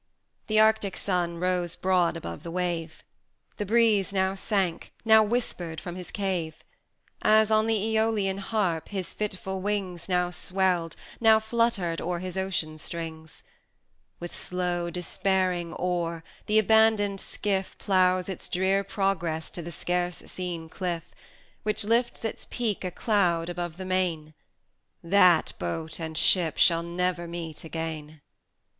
IX. The arctic Sun rose broad above the wave; The breeze now sank, now whispered from his cave; 170 As on the Æolian harp, his fitful wings Now swelled, now fluttered o'er his Ocean strings.[fc] With slow, despairing oar, the abandoned skiff Ploughs its drear progress to the scarce seen cliff, Which lifts its peak a cloud above the main: That boat and ship shall never meet again!